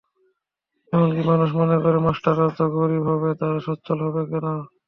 এমনকি মানুষ মনে করে, মাস্টাররা তো গরিবই হবে, তাঁরা সচ্ছল হবেন কেন।